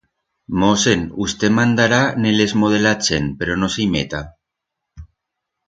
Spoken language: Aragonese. Mosen, usté mandará n'el esmo de la chent, pero no se i meta.